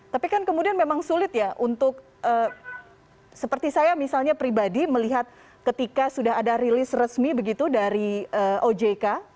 tapi kan kemudian memang sulit ya untuk seperti saya misalnya pribadi melihat ketika sudah ada rilis resmi begitu dari ojk